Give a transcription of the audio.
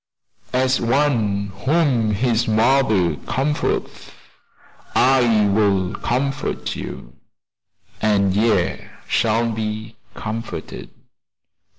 "As one whom his mother comforteth, so will I comfort you; and ye shall be comforted."